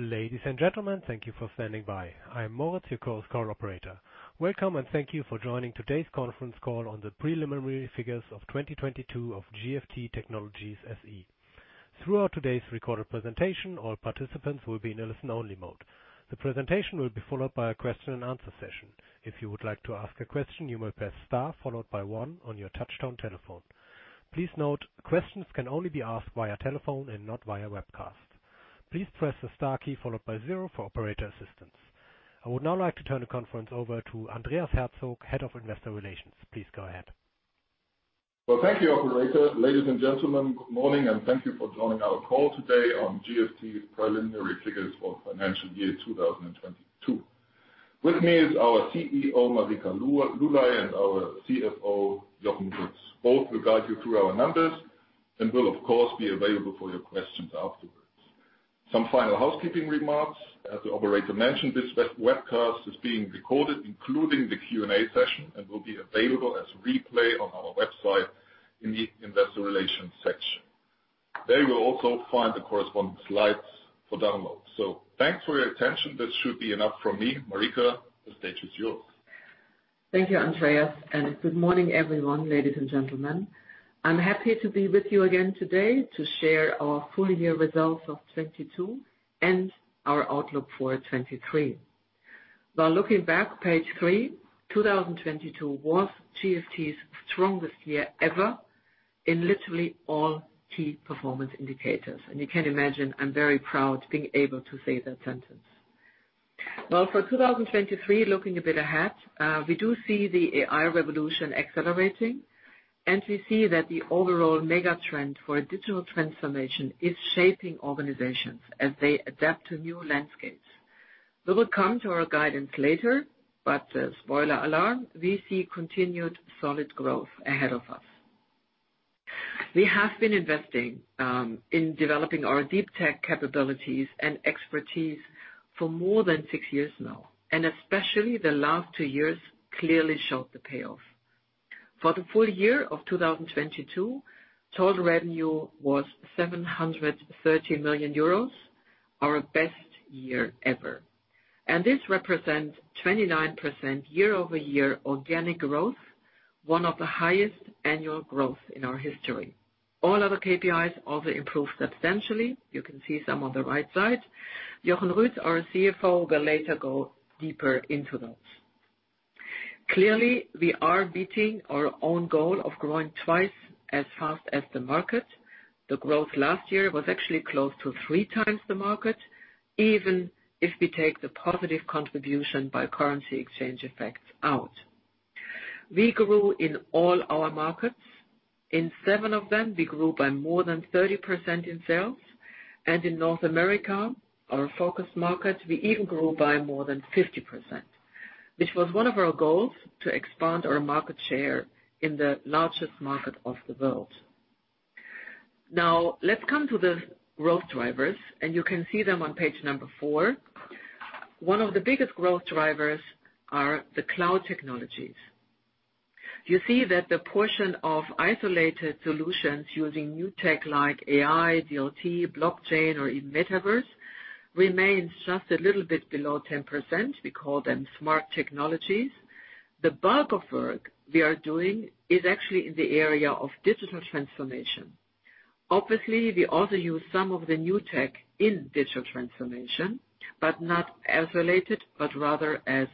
Ladies and gentlemen, thank you for standing by. I'm Moritz, your call's call operator. Welcome and thank you for joining today's conference call on the preliminary figures of 2022 of GFT Technologies SE. Throughout today's recorded presentation, all participants will be in a listen-only mode. The presentation will be followed by a question and answer session. If you would like to ask a question, you may press star followed by one on your touchtone telephone. Please note, questions can only be asked via telephone and not via webcast. Please press the star key followed by zero for operator assistance. I would now like to turn the conference over to Andreas Herzog, Head of Investor Relations. Please go ahead. Thank you, operator. Ladies and gentlemen, good morning and thank you for joining our call today on GFT preliminary figures for financial year 2022. With me is our CEO, Marika Lulay, and our CFO, Jochen Ruetz. Both will guide you through our numbers and will, of course, be available for your questions afterwards. Some final housekeeping remarks. As the operator mentioned, this webcast is being recorded, including the Q&A session, and will be available as replay on our website in the investor relations section. There you will also find the corresponding slides for download. Thanks for your attention. This should be enough from me. Marika, the stage is yours. Thank you, Andreas, good morning, everyone, ladies and gentlemen. I'm happy to be with you again today to share our full year results of 2022 and our outlook for 2023. While looking back, page three, 2022 was GFT's strongest year ever in literally all key performance indicators. You can imagine, I'm very proud being able to say that sentence. Well, for 2023, looking a bit ahead, we do see the AI revolution accelerating, and we see that the overall mega trend for a digital transformation is shaping organizations as they adapt to new landscapes. We will come to our guidance later, but, spoiler alarm, we see continued solid growth ahead of us. We have been investing in developing our deep tech capabilities and expertise for more than six years now. Especially the last two years clearly showed the payoff. For the full year of 2022, total revenue was 730 million euros, our best year ever. This represents 29% year-over-year organic growth, one of the highest annual growth in our history. All other KPIs also improved substantially. You can see some on the right side. Jochen Ruetz, our CFO, will later go deeper into those. Clearly, we are beating our own goal of growing twice as fast as the market. The growth last year was actually close to 3x the market, even if we take the positive contribution by currency exchange effects out. We grew in all our markets. In seven of them, we grew by more than 30% in sales. In North America, our focus market, we even grew by more than 50%, which was one of our goals to expand our market share in the largest market of the world. Now, let's come to the growth drivers, and you can see them on page number four. One of the biggest growth drivers are the cloud technologies. You see that the portion of isolated solutions using new tech like AI, DLT, blockchain, or even metaverse remains just a little bit below 10%. We call them smart technologies. The bulk of work we are doing is actually in the area of digital transformation. Obviously, we also use some of the new tech in digital transformation, but not isolated, but rather as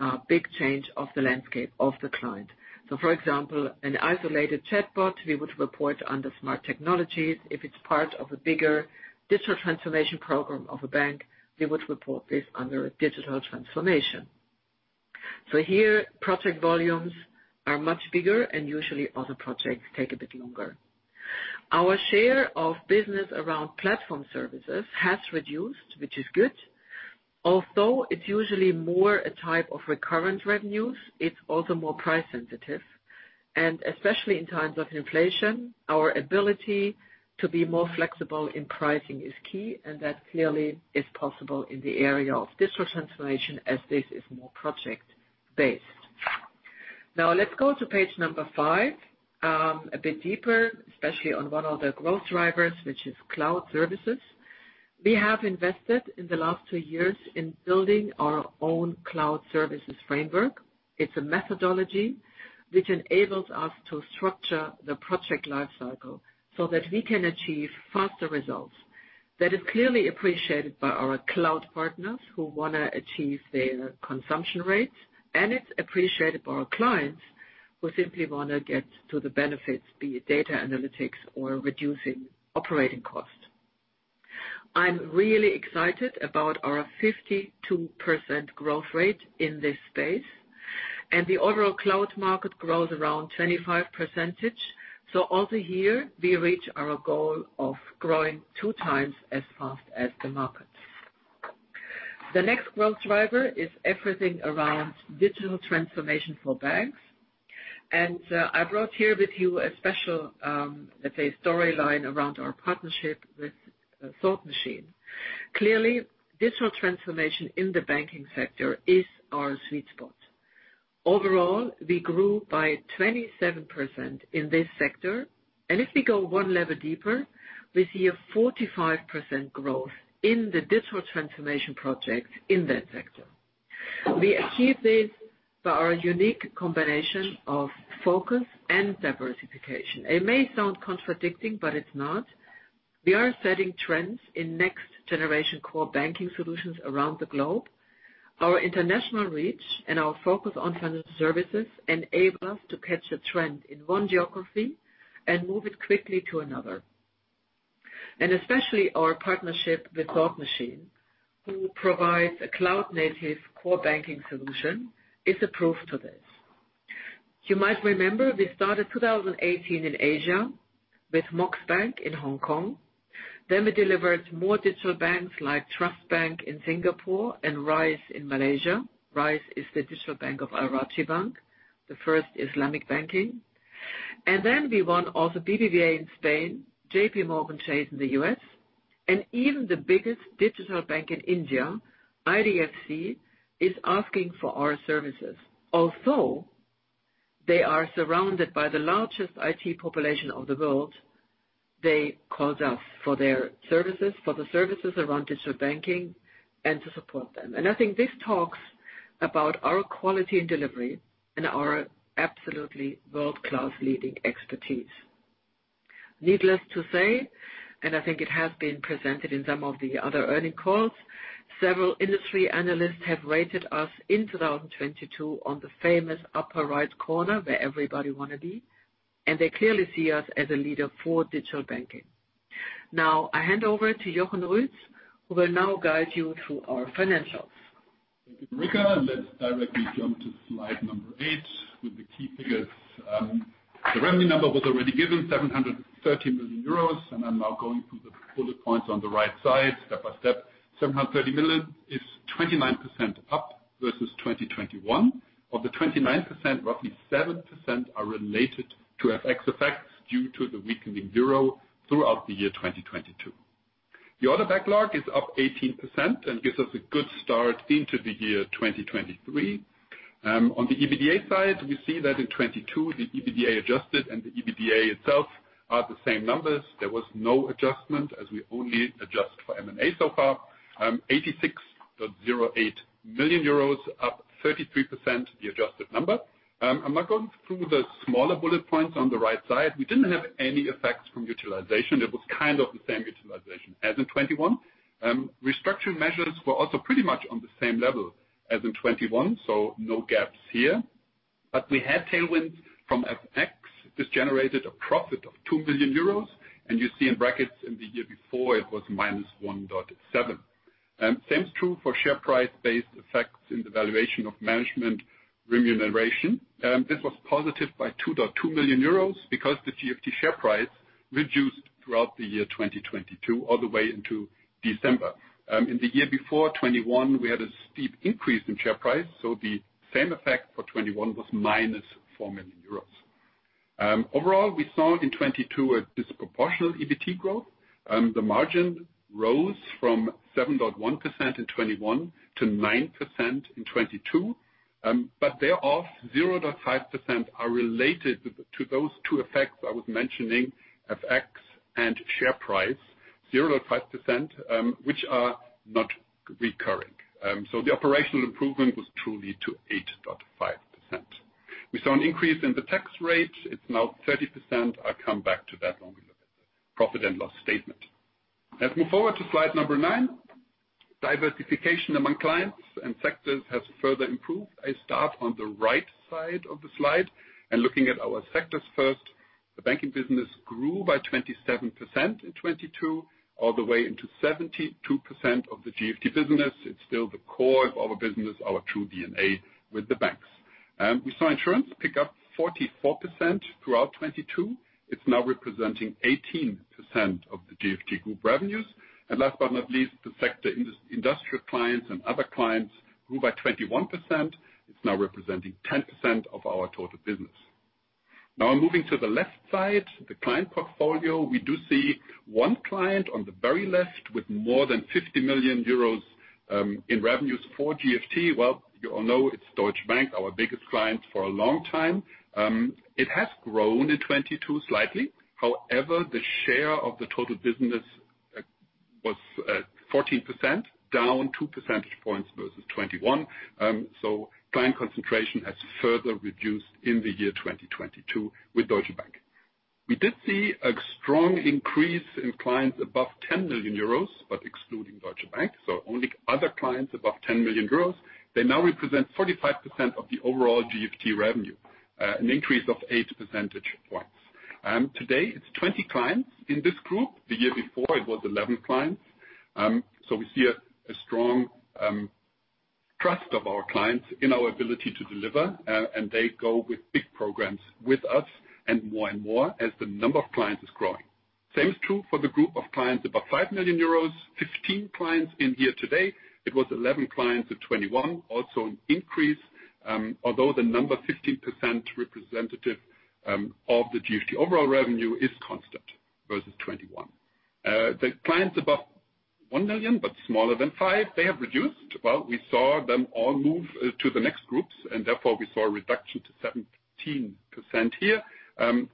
a big change of the landscape of the client. For example, an isolated chatbot we would report under smart technologies. If it's part of a bigger digital transformation program of a bank, we would report this under digital transformation. Here project volumes are much bigger and usually other projects take a bit longer. Our share of business around platform services has reduced, which is good. Although it's usually more a type of recurrent revenues, it's also more price sensitive. Especially in times of inflation, our ability to be more flexible in pricing is key, and that clearly is possible in the area of digital transformation as this is more project-based. Let's go to page number five, a bit deeper, especially on one of the growth drivers, which is cloud services. We have invested in the last two years in building our own cloud services framework. It's a methodology which enables us to structure the project life cycle so that we can achieve faster results. That is clearly appreciated by our cloud partners who wanna achieve their consumption rates, and it's appreciated by our clients who simply wanna get to the benefits, be it data analytics or reducing operating costs. I'm really excited about our 52% growth rate in this space, and the overall cloud market grows around 25%. Also here we reach our goal of growing two times as fast as the market. The next growth driver is everything around digital transformation for banks. I brought here with you a special, let's say storyline around our partnership with Thought Machine. Clearly, digital transformation in the banking sector is our sweet spot. Overall, we grew by 27% in this sector. If we go one level deeper, we see a 45% growth in the digital transformation projects in that sector. We achieve this by our unique combination of focus and diversification. It may sound contradicting, but it's not. We are setting trends in next generation core banking solutions around the globe. Our international reach and our focus on financial services enable us to catch a trend in one geography and move it quickly to another. Especially our partnership with Thought Machine, who provides a cloud-native core banking solution, is a proof to this. You might remember we started 2018 in Asia with Mox Bank in Hong Kong. We delivered more digital banks like Trust Bank in Singapore and Rize in Malaysia. Rize is the digital bank of Al Rajhi Bank, the first Islamic banking. We won also BBVA in Spain, JPMorgan Chase in the U.S., and even the biggest digital bank in India, IDFC, is asking for our services. Although they are surrounded by the largest IT population of the world, they called us for their services, for the services around digital banking and to support them. I think this talks about our quality and delivery and our absolutely world-class leading expertise. Needless to say, and I think it has been presented in some of the other earnings calls, several industry analysts have rated us in 2022 on the famous upper right corner where everybody wanna be, and they clearly see us as a leader for digital banking. Now I hand over to Jochen Ruetz, who will now guide you through our financials. Thank you, Marika. Let's directly jump to slide number eight with the key figures. The revenue number was already given, 730 million euros, and I'm now going through the bullet points on the right side step by step. 730 million is 29% up versus 2021. Of the 29%, roughly 7% are related to FX effects due to the weakening euro throughout the year 2022. The order backlog is up 18% and gives us a good start into the year 2023. On the EBITDA side, we see that in 2022, the EBITDA adjusted and the EBITDA itself are the same numbers. There was no adjustment as we only adjust for M&A so far. 86.08 million euros, up 33% the adjusted number. I'm now going through the smaller bullet points on the right side. We didn't have any effects from utilization. It was kind of the same utilization as in 2021. Restructure measures were also pretty much on the same level as in 2021, so no gaps here. We had tailwinds from FX. This generated a profit of 2 million euros. You see in brackets in the year before it was -1.7 million. Same is true for share price-based effects in the valuation of management remuneration. This was positive by 2.2 million euros because the GFT share price reduced throughout the year 2022 all the way into December. In the year before, 2021, we had a steep increase in share price, so the same effect for 2021 was -4 million euros. Overall, we saw in 2022 a disproportional EBT growth. The margin rose from 7.1% in 2021 to 9% in 2022. But thereof, 0.5% are related to those two effects I was mentioning, FX and share price, 0.5%, which are not recurring. So the operational improvement was truly to 8.5%. We saw an increase in the tax rate. It's now 30%. I'll come back to that when we look at the profit and loss statement. Let's move forward to slide number nine. Diversification among clients and sectors has further improved. I start on the right side of the slide. Looking at our sectors first, the banking business grew by 27% in 2022, all the way into 72% of the GFT business. It's still the core of our business, our true DNA with the banks. We saw insurance pick up 44% throughout 2022. It's now representing 18% of the GFT Group revenues. Last but not least, the sector industrial clients and other clients grew by 21%. It's now representing 10% of our total business. Moving to the left side, the client portfolio. We do see one client on the very left with more than 50 million euros in revenues for GFT. You all know it's Deutsche Bank, our biggest client for a long time. It has grown in 2022 slightly. The share of the total business was 14%, down 2 percentage points versus 2021. Client concentration has further reduced in the year 2022 with Deutsche Bank. We did see a strong increase in clients above 10 million euros, but excluding Deutsche Bank, so only other clients above 10 million euros. They now represent 45% of the overall GFT revenue, an increase of 8 percentage points. Today it's 20 clients in this group. The year before it was 11 clients. So we see a strong trust of our clients in our ability to deliver, and they go with big programs with us and more and more as the number of clients is growing. Same is true for the group of clients above 5 million euros. 15 clients in here today. It was 11 clients in 2021. Also an increase, although the number 15% representative of the GFT overall revenue is constant versus 2021. The clients above 1 million, but smaller than five, they have reduced. We saw them all move to the next groups. We saw a reduction to 17% here,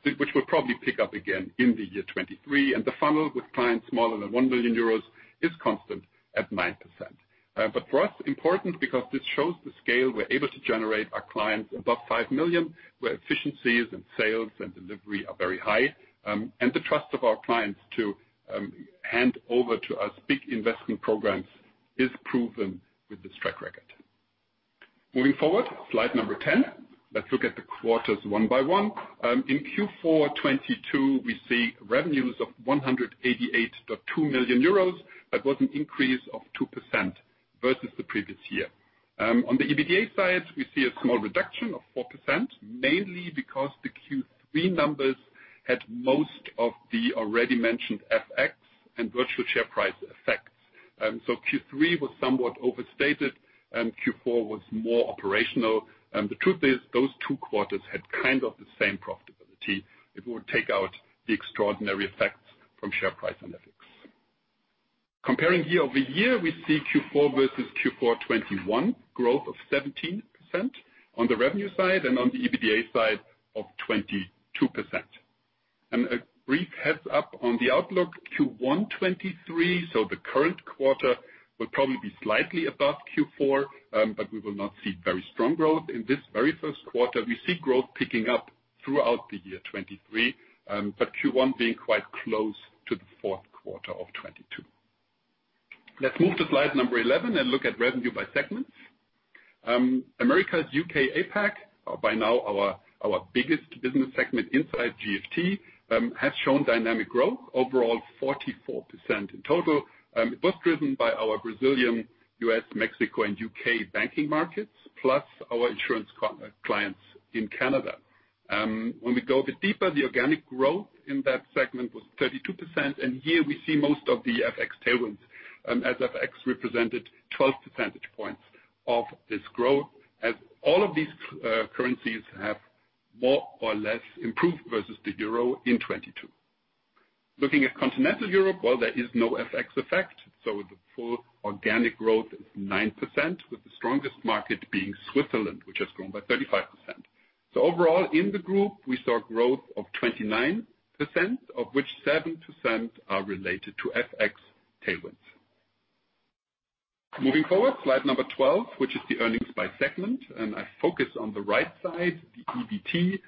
which will probably pick up again in the year 2023. The funnel with clients smaller than 1 million euros is constant at 9%. For us, important because this shows the scale we're able to generate our clients above 5 million, where efficiencies and sales and delivery are very high. The trust of our clients to hand over to us big investment programs is proven with this track record. Moving forward, slide number 10. Let's look at the quarters one by one. In Q4 2022, we see revenues of 188.2 million euros. That was an increase of 2% versus the previous year. On the EBITDA side, we see a small reduction of 4%, mainly because the Q3 numbers had most of the already mentioned FX and virtual share price effects. Q3 was somewhat overstated, and Q4 was more operational. The truth is, those two quarters had kind of the same profitability. It would take out the extraordinary effects from share price and FX. Comparing year-over-year, we see Q4 versus Q4 2021 growth of 17% on the revenue side, and on the EBITDA side of 22%. A brief heads-up on the outlook Q1 2023. The current quarter will probably be slightly above Q4, but we will not see very strong growth in this very first quarter. We see growth picking up throughout the year 2023, but Q1 being quite close to the fourth quarter of 2022. Let's move to slide number 11 and look at revenue by segments. Americas, U.K., APAC, or by now our biggest business segment inside GFT, has shown dynamic growth, overall 44% in total. It was driven by our Brazilian, U.S., Mexico, and U.K. banking markets, plus our insurance clients in Canada. When we go a bit deeper, the organic growth in that segment was 32%. Here we see most of the FX tailwinds, as FX represented 12 percentage points of this growth, as all of these currencies have more or less improved versus the euro in 2022. Looking at Continental Europe, while there is no FX effect, the full organic growth is 9%, with the strongest market being Switzerland, which has grown by 35%. Overall, in the group, we saw growth of 29%, of which 7% are related to FX tailwinds. Moving forward, slide number 12, which is the earnings by segment. I focus on the right side, the EBT.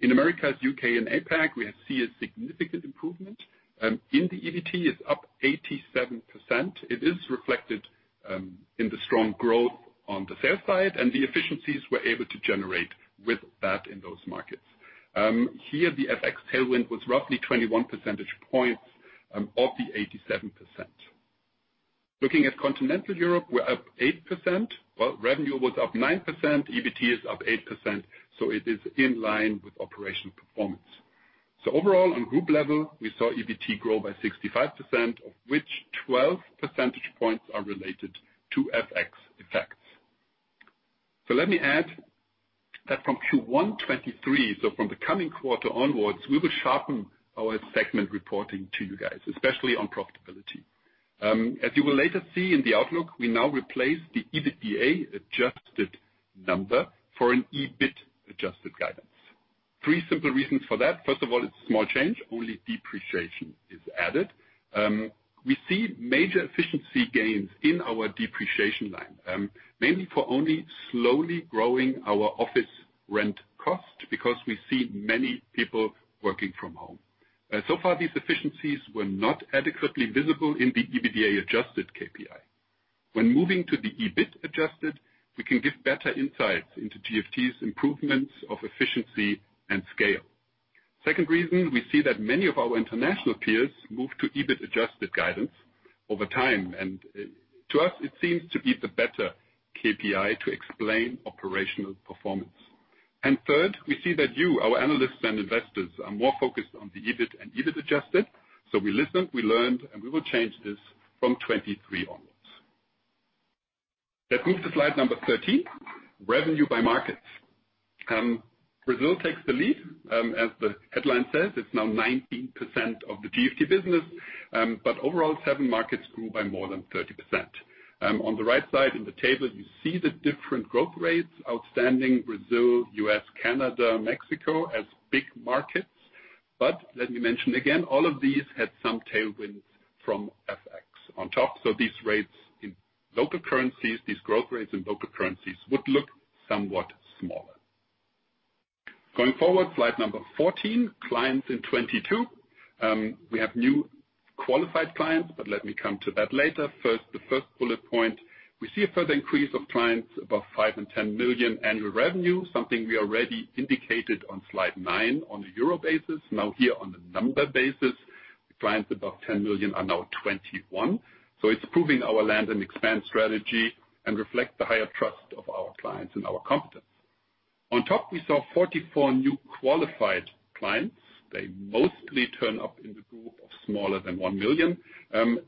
In Americas, U.K. and APAC, we see a significant improvement. In the EBT, it's up 87%. It is reflected in the strong growth on the sales side and the efficiencies we're able to generate with that in those markets. Here the FX tailwind was roughly 21 percentage points of the 87%. Looking at Continental Europe, we're up 8%. Well, revenue was up 9%, EBT is up 8%, so it is in line with operational performance. Overall, on group level, we saw EBT grow by 65%, of which 12 percentage points are related to FX effects. Let me add that from Q1 2023, so from the coming quarter onwards, we will sharpen our segment reporting to you guys, especially on profitability. As you will later see in the outlook, we now replace the EBITDA adjusted number for an EBIT adjusted guidance. Three simple reasons for that. First of all, it's small change. Only depreciation is added. We see major efficiency gains in our depreciation line, mainly for only slowly growing our office rent cost because we see many people working from home. So far, these efficiencies were not adequately visible in the EBITDA adjusted KPI. When moving to the EBIT adjusted, we can give better insights into GFT's improvements of efficiency and scale. Second reason, we see that many of our international peers move to EBIT adjusted guidance over time. To us, it seems to be the better KPI to explain operational performance. Third, we see that you, our analysts and investors, are more focused on the EBIT and EBIT adjusted. We listened, we learned, and we will change this from 2023 onwards. Let's move to slide number 13, revenue by markets. Brazil takes the lead. As the headline says, it's now 19% of the GFT business. Overall, seven markets grew by more than 30%. On the right side in the table, you see the different growth rates. Outstanding Brazil, U.S., Canada, Mexico as big markets. Let me mention again, all of these had some tailwinds from FX on top. These growth rates in local currencies would look somewhat smaller. Going forward, slide number 14, clients in 2022. We have new qualified clients. Let me come to that later. First, the first bullet point. We see a further increase of clients above 5 million and 10 million annual revenue, something we already indicated on slide nine on a euro basis. Here on the number basis, clients above 10 million are now 21. It's proving our land and expand strategy and reflect the higher trust of our clients and our competence. On top, we saw 44 new qualified clients. They mostly turn up in the group of smaller than 1 million.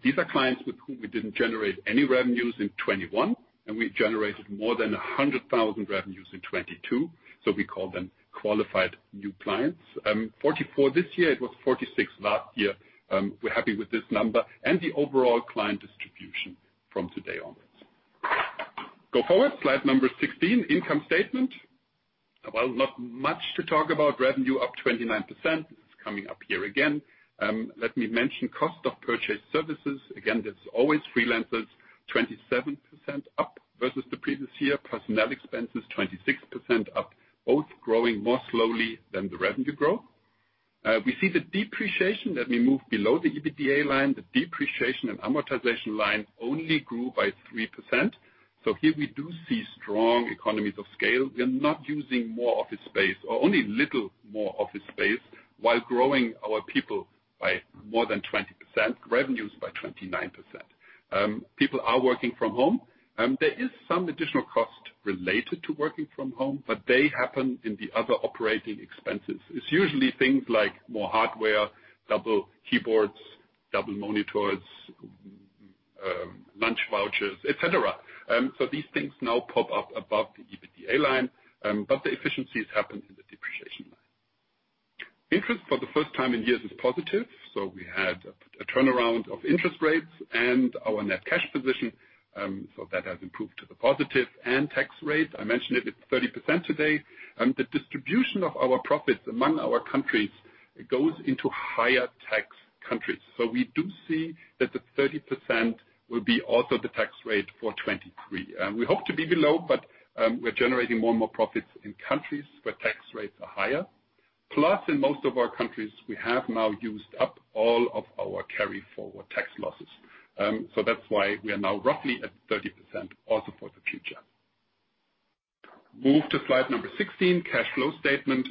These are clients with whom we didn't generate any revenues in 2021, and we generated more than 100,000 revenues in 2022. We call them qualified new clients. 44 this year. It was 46 last year. We're happy with this number and the overall client distribution from today onwards. Go forward, slide number 16, income statement. Not much to talk about. Revenue up 29%. This is coming up here again. Let me mention cost of purchased services. Again, there's always freelancers, 27% up versus the previous year. Personnel expenses 26% up, both growing more slowly than the revenue growth. We see the depreciation. Let me move below the EBITDA line. The depreciation and amortization line only grew by 3%. Here we do see strong economies of scale. We are not using more office space or only little more office space while growing our people by more than 20%, revenues by 29%. People are working from home. There is some additional cost related to working from home, but they happen in the other operating expenses. It's usually things like more hardware, double keyboards, double monitors, lunch vouchers, et cetera. These things now pop up above the EBITDA line, but the efficiencies happen in the depreciation line. Interest for the first time in years is positive, we had a turnaround of interest rates and our net cash position, that has improved to the positive. Tax rate, I mentioned it's 30% today. The distribution of our profits among our countries goes into higher tax countries. We do see that the 30% will be also the tax rate for 2023. We hope to be below, we're generating more and more profits in countries where tax rates are higher. Plus, in most of our countries, we have now used up all of our carry-forward tax losses. That's why we are now roughly at 30% also for the future. Move to slide number 16, cash flow statement.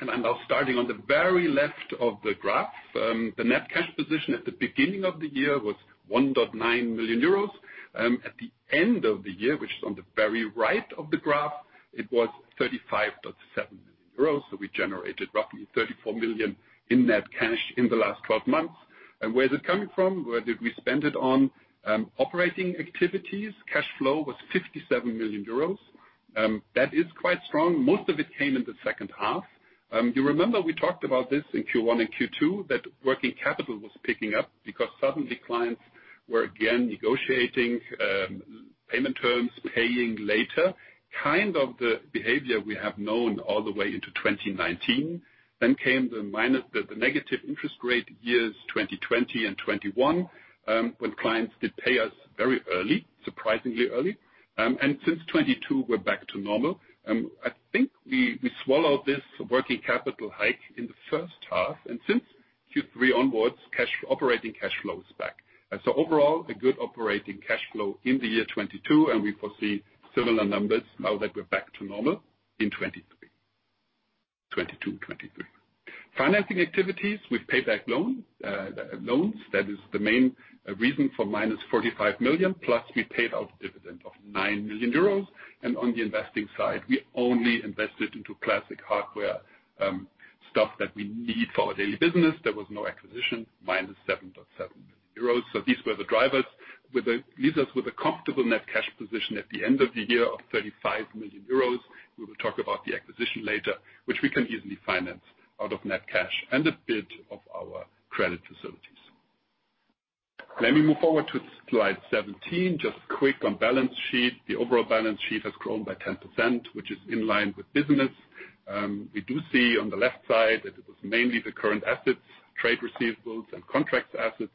I'm now starting on the very left of the graph. The net cash position at the beginning of the year was 1.9 million euros. At the end of the year, which is on the very right of the graph, it was 35.7 million euros. We generated roughly 34 million in net cash in the last 12 months. Where is it coming from? Where did we spend it on? Operating activities, cash flow was 57 million euros. That is quite strong. Most of it came in the second half. You remember we talked about this in Q1 and Q2, that working capital was picking up because suddenly clients were again negotiating payment terms, paying later. Kind of the behavior we have known all the way into 2019. Came the minus, the negative interest rate years, 2020 and 2021, when clients did pay us very early, surprisingly early. Since 2022, we're back to normal. I think we swallowed this working capital hike in the first half, and since Q3 onwards, cash, operating cash flow is back. Overall, a good operating cash flow in the year 2022, and we foresee similar numbers now that we're back to normal in 2023. 2022, 2023. Financing activities, we've paid back loans. That is the main reason for minus 45 million, plus we paid out dividend of 9 million euros. On the investing side, we only invested into classic hardware, stuff that we need for our daily business. There was no acquisition, -7.7 million euros. These were the drivers. leaves us with a comfortable net cash position at the end of the year of 35 million euros. We will talk about the acquisition later, which we can easily finance out of net cash and a bit of our credit facilities. Let me move forward to slide 17, just quick on balance sheet. The overall balance sheet has grown by 10%, which is in line with business. we do see on the left side that it was mainly the current assets, trade receivables and contracts assets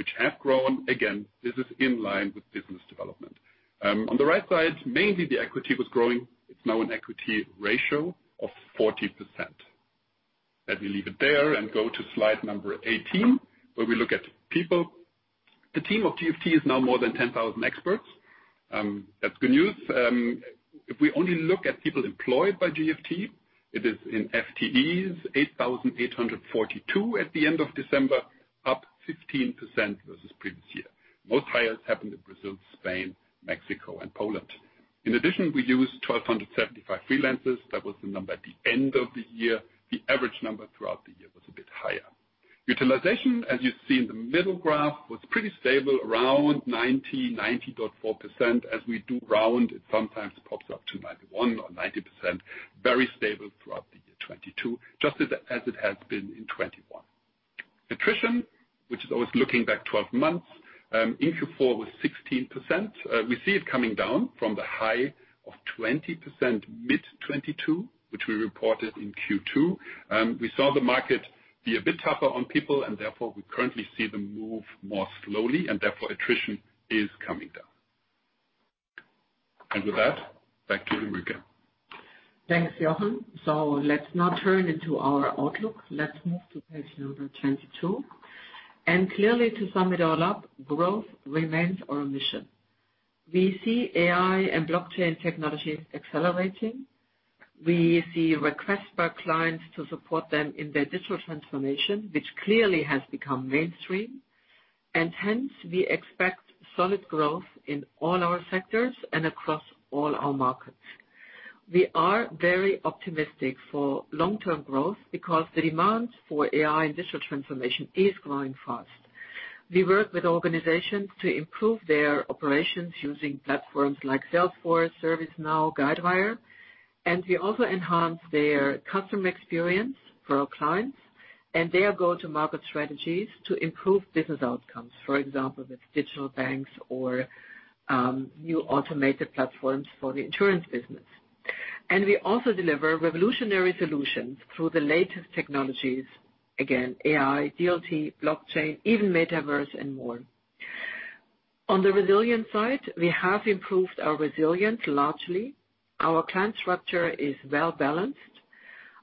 which have grown. Again, this is in line with business development. on the right side, mainly the equity was growing. It's now an equity ratio of 40%. Let me leave it there and go to slide number 18, where we look at people. The team of GFT is now more than 10,000 experts. That's good news. If we only look at people employed by GFT, it is in FTEs, 8,842 at the end of December, up 15% versus previous year. Most hires happened in Brazil, Spain, Mexico and Poland. In addition, we used 1,275 freelancers. That was the number at the end of the year. The average number throughout the year was a bit higher. Utilization, as you see in the middle graph, was pretty stable around 90.4%. As we do round, it sometimes pops up to 91% or 90%. Very stable throughout the year 2022, just as it has been in 2021. Attrition, which is always looking back 12 months, in Q4 was 16%. We see it coming down from the high of 20% mid-2022, which we reported in Q2. We saw the market be a bit tougher on people, and therefore we currently see them move more slowly, and therefore attrition is coming down. With that, back to you, Marika. Thanks, Jochen. Let's now turn into our outlook. Let's move to page number 22. Clearly, to sum it all up, growth remains our mission. We see AI and blockchain technology accelerating. We see requests by clients to support them in their digital transformation, which clearly has become mainstream. Hence, we expect solid growth in all our sectors and across all our markets. We are very optimistic for long-term growth because the demand for AI and digital transformation is growing fast. We work with organizations to improve their operations using platforms like Salesforce, ServiceNow, Guidewire, and we also enhance their customer experience for our clients. They are go-to-market strategies to improve business outcomes. For example, with digital banks or new automated platforms for the insurance business. We also deliver revolutionary solutions through the latest technologies. Again, AI, DLT, blockchain, even metaverse and more. On the resilience side, we have improved our resilience largely. Our client structure is well-balanced.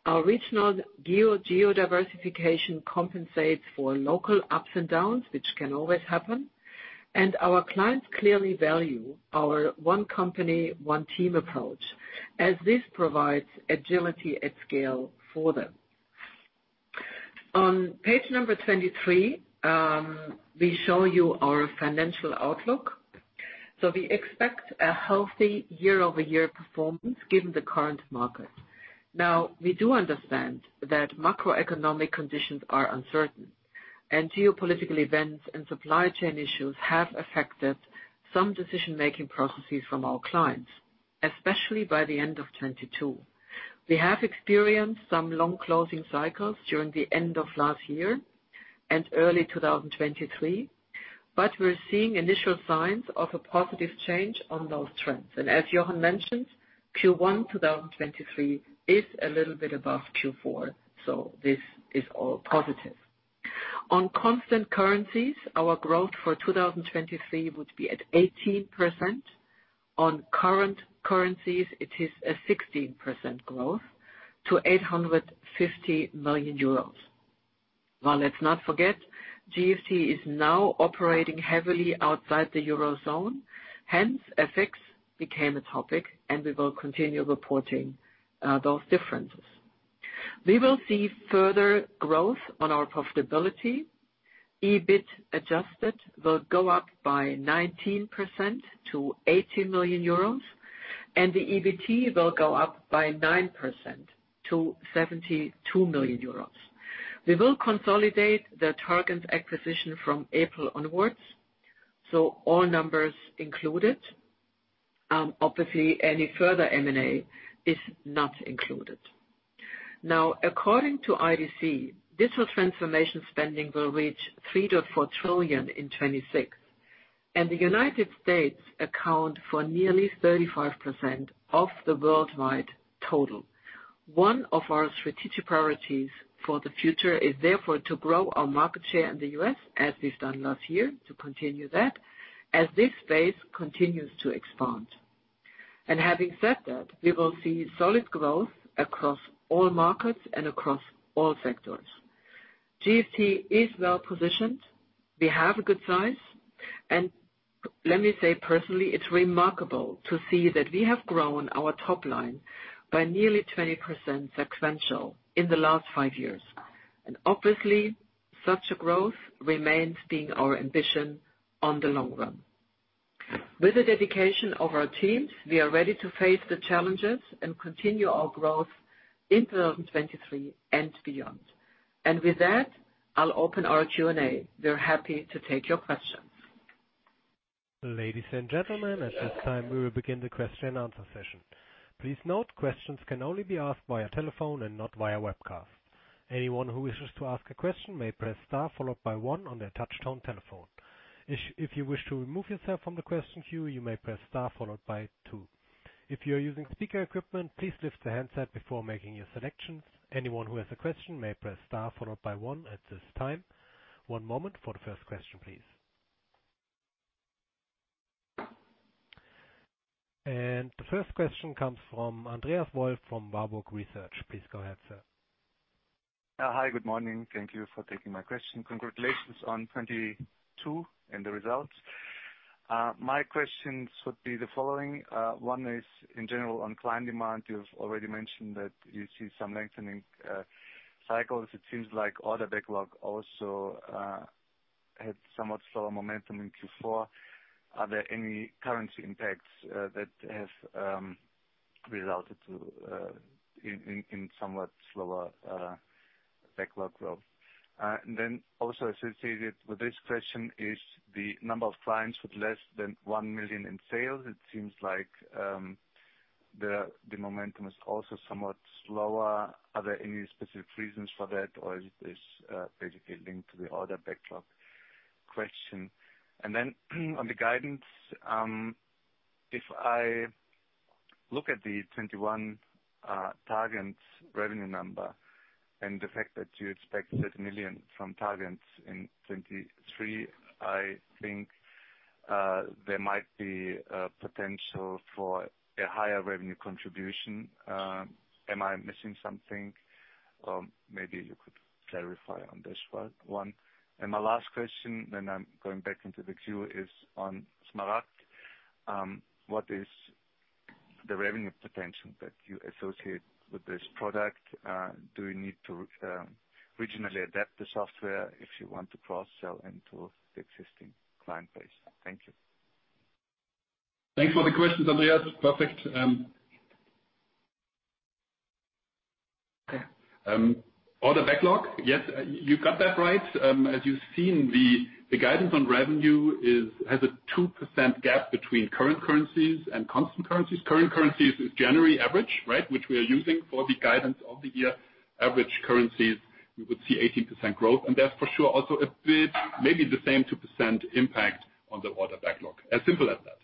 Our regional geo-diversification compensates for local ups and downs, which can always happen. Our clients clearly value our one company, one team approach, as this provides agility at scale for them. On page number 23, we show you our financial outlook. We expect a healthy year-over-year performance given the current market. Now, we do understand that macroeconomic conditions are uncertain, and geopolitical events and supply chain issues have affected some decision-making processes from our clients, especially by the end of 2022. We have experienced some long closing cycles during the end of last year and early 2023, but we're seeing initial signs of a positive change on those trends. As Jochen mentioned, Q1 2023 is a little bit above Q4, this is all positive. On constant currencies, our growth for 2023 would be at 18%. On current currencies, it is a 16% growth to 850 million euros. Well, let's not forget, GFT is now operating heavily outside the Eurozone. FX became a topic, and we will continue reporting those differences. We will see further growth on our profitability. EBIT adjusted will go up by 19% to 80 million euros, and the EBT will go up by 9% to 72 million euros. We will consolidate the Targens acquisition from April onwards, all numbers included. Obviously, any further M&A is not included. According to IDC, digital transformation spending will reach $3 trillion-$4 trillion in 2026, and the United States account for nearly 35% of the worldwide total. One of our strategic priorities for the future is therefore to grow our market share in the U.S., as we've done last year, to continue that, as this space continues to expand. Having said that, we will see solid growth across all markets and across all sectors. GFT is well-positioned. We have a good size. Let me say personally, it's remarkable to see that we have grown our top line by nearly 20% sequential in the last five years. Obviously, such a growth remains being our ambition on the long run. With the dedication of our teams, we are ready to face the challenges and continue our growth in 2023 and beyond. With that, I'll open our Q&A. We're happy to take your questions. Ladies and gentlemen, at this time, we will begin the question and answer session. Please note, questions can only be asked via telephone and not via webcast. Anyone who wishes to ask a question may press star followed by one on their touch tone telephone. If you wish to remove yourself from the question queue, you may press star followed by two. If you're using speaker equipment, please lift the handset before making your selections. Anyone who has a question may press star followed by one at this time. One moment for the first question, please. The first question comes from Andreas Wolf from Warburg Research. Please go ahead, sir. Hi, good morning. Thank you for taking my question. Congratulations on 2022 and the results. My questions would be the following. One is in general on client demand. You've already mentioned that you see some lengthening cycles. It seems like order backlog also had somewhat slower momentum in Q4. Are there any currency impacts that have resulted to in somewhat slower backlog growth? Then also associated with this question is the number of clients with less than 1 million in sales. It seems like the momentum is also somewhat slower. Are there any specific reasons for that, or is this basically linked to the order backlog question? On the guidance, if I look at the 2021 Targens revenue number and the fact that you expect 30 million from Targens in 2023, I think there might be a potential for a higher revenue contribution. Am I missing something? Maybe you could clarify on this one. My last question then I'm going back into the queue is on Smaragd. What is the revenue potential that you associate with this product? Do you need to regionally adapt the software if you want to cross-sell into the existing client base? Thank you. Thanks for the questions, Andreas. Perfect. Order backlog. Yes, you got that right. As you've seen, the guidance on revenue has a 2% gap between current currencies and constant currencies. Current currencies is January average, right? Which we are using for the guidance of the year. Average currencies, we would see 18% growth, and there's for sure also a bit, maybe the same 2% impact on the order backlog. As simple as that.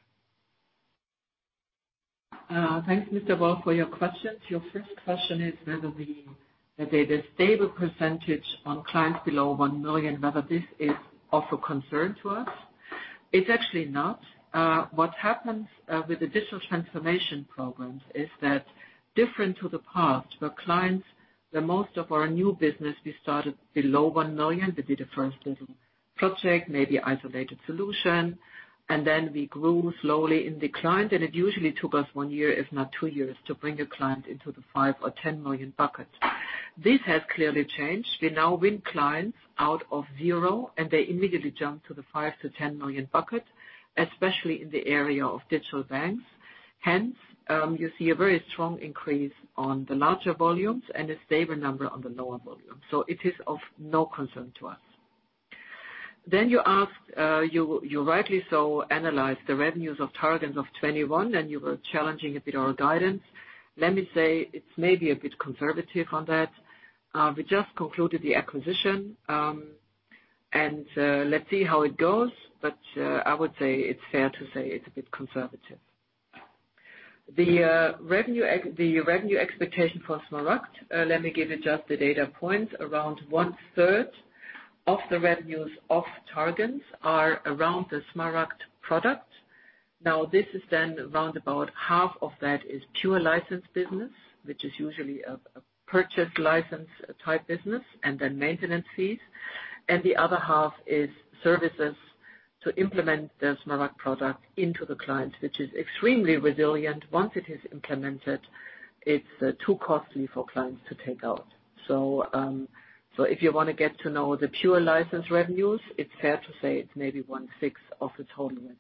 Thanks, Mr. Wolf, for your questions. Your first question is whether the data stable percentage on clients below 1 million, whether this is of a concern to us. It's actually not. What happens with the digital transformation programs is that different to the past, where clients, the most of our new business, we started below 1 million. We did a first little project, maybe isolated solution, and then we grew slowly in the client, and it usually took us one year, if not two years, to bring a client into the 5 million or 10 million bucket. This has clearly changed. We now win clients out of zero, and they immediately jump to the 5 million-10 million bucket, especially in the area of digital banks. You see a very strong increase on the larger volumes and a stable number on the lower volume. It is of no concern to us. You asked, you rightly so analyzed the revenues of Targens of 21, and you were challenging a bit our guidance. Let me say it's maybe a bit conservative on that. We just concluded the acquisition, and let's see how it goes. I would say it's fair to say it's a bit conservative. The revenue expectation for Smaragd, let me give you just the data points. Around 1/3 of the revenues of Targens are around the Smaragd product. This is then around about 1/2 of that is pure license business, which is usually a purchase license type business and then maintenance fees. The other 1/2 is services to implement the Smaragd product into the client, which is extremely resilient. Once it is implemented, it's too costly for clients to take out. If you wanna get to know the pure license revenues, it's fair to say it's maybe 1/6 of the total revenues.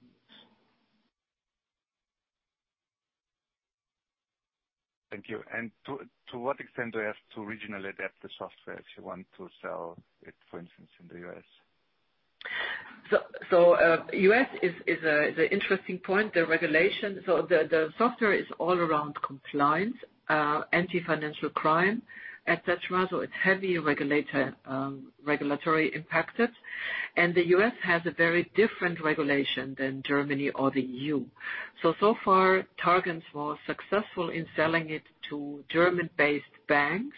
Thank you. To what extent do we have to regionally adapt the software if you want to sell it, for instance, in the U.S.? U.S. is an interesting point. The software is all around compliance, anti-financial crime, et cetera. It's heavy regulator, regulatory impacted. The U.S. has a very different regulation than Germany or the EU. So far, Targens was successful in selling it to German-based banks,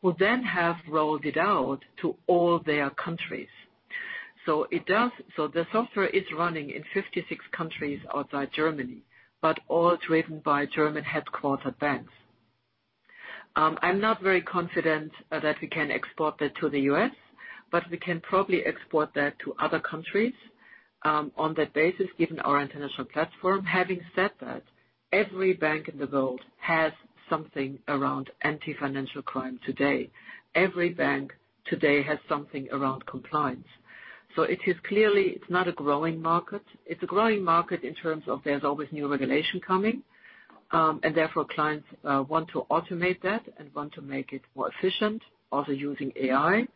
who then have rolled it out to all their countries. The software is running in 56 countries outside Germany, but all driven by German-headquartered banks. I'm not very confident that we can export that to the U.S., but we can probably export that to other countries on that basis, given our international platform. Having said that, every bank in the world has something around anti-financial crime today. Every bank today has something around compliance. It is clearly, it's not a growing market. It's a growing market in terms of there's always new regulation coming, therefore clients want to automate that and want to make it more efficient, also using AI.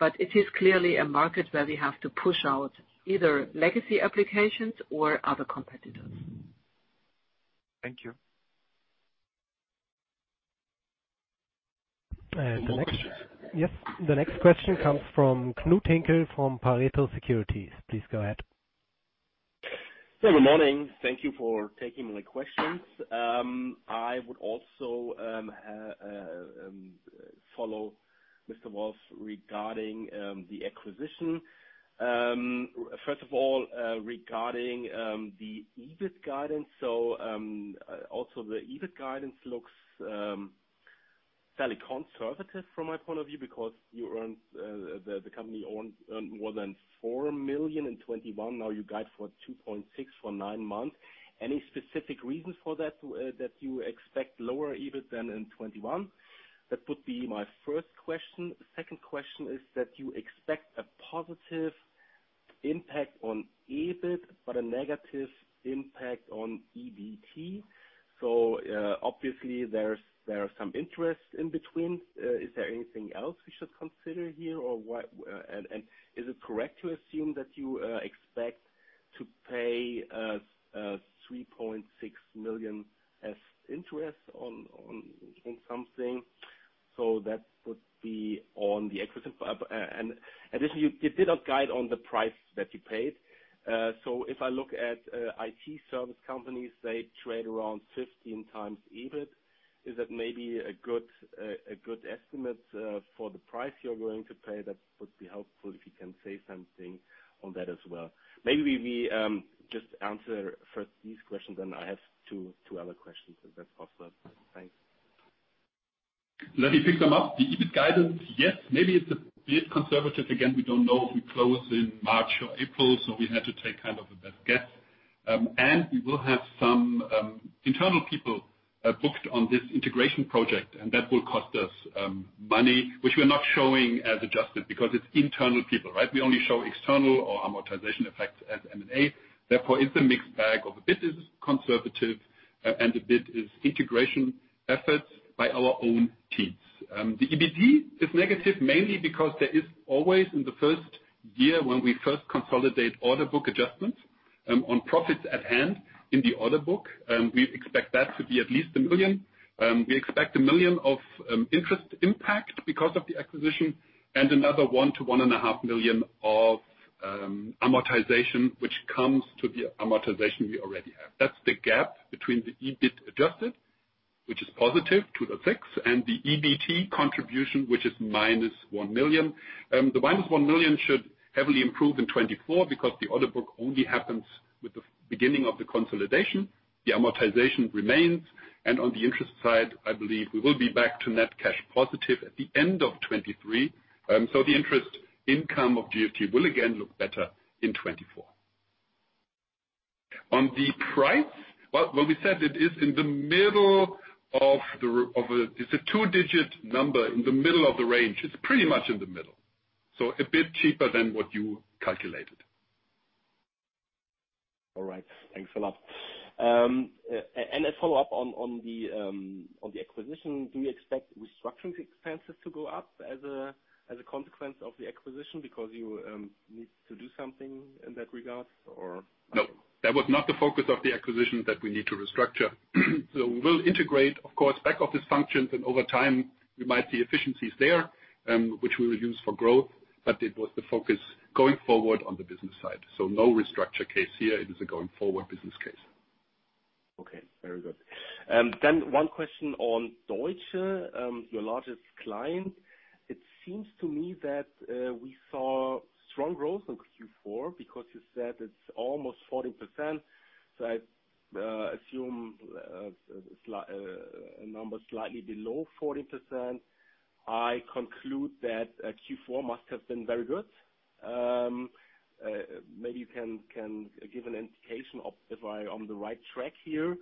It is clearly a market where we have to push out either legacy applications or other competitors. Thank you. The next... Yes. The next question comes from Knud Hinkel from Pareto Securities. Please go ahead. Good morning. Thank you for taking my questions. I would also follow Mr. Wolf regarding the acquisition. First of all, regarding the EBIT guidance. Also the EBIT guidance looks fairly conservative from my point of view because you earned, the company owned, earned more than 4 million in 2021. Now you guide for 2.6 for nine months. Any specific reasons for that you expect lower EBIT than in 2021? That would be my first question. Second question is that you expect a positive impact on EBIT but a negative impact on EBT. Obviously there are some interest in between. Is there anything else we should consider here or is it correct to assume that you expect to pay 3.6 million as interest on something? That would be on the acquisition. Additionally, you did not guide on the price that you paid. If I look at IT service companies, they trade around 15x EBIT. Is that maybe a good estimate for the price you're going to pay? That would be helpful if you can say something on that as well. Maybe we just answer first these questions, then I have two other questions, if that's possible. Thanks. Let me pick them up. The EBIT guidance, yes, maybe it's a bit conservative. Again, we don't know if we close in March or April, so we had to take kind of a best guess. We will have some internal people booked on this integration project, and that will cost us money, which we're not showing as adjusted because it's internal people, right? We only show external or amortization effects as M&A. Therefore, it's a mixed bag of a bit is conservative, and a bit is integration efforts by our own teams. The EBT is negative mainly because there is always in the first year when we first consolidate order book adjustments on profits at hand in the order book, and we expect that to be at least 1 million. We expect 1 million of interest impact because of the acquisition and another 1 million-1.5 million of amortization, which comes to the amortization we already have. That's the gap between the EBIT adjusted, which is positive to 6 million and the EBT contribution, which is -1 million. The -1 million should heavily improve in 2024 because the order book only happens with the beginning of the consolidation. The amortization remains, and on the interest side, I believe we will be back to net cash positive at the end of 2023. The interest income of GFT will again look better in 2024. On the price, well, we said it is in the middle of the It's a two-digit number in the middle of the range. It's pretty much in the middle, so a bit cheaper than what you calculated. All right. Thanks a lot. A follow-up on the acquisition. Do you expect restructuring expenses to go up as a consequence of the acquisition because you need to do something in that regard or? That was not the focus of the acquisition that we need to restructure. We will integrate, of course, back office functions and over time we might see efficiencies there, which we will use for growth, but it was the focus going forward on the business side. No restructure case here. It is a going forward business case. Okay, very good. One question on Deutsche, your largest client. It seems to me that we saw strong growth in Q4 because you said it's almost 40%. I assume a number slightly below 40%. I conclude that Q4 must have been very good. maybe you can give an indication of if I on the right track here